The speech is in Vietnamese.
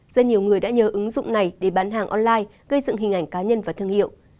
rất nhiều người đã nhờ ứng dụng này để bán hàng online gây dựng hình ảnh cá nhân và thương hiệu